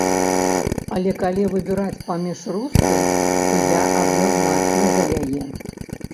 Але калі выбіраць паміж рускай, то я адназначна за яе.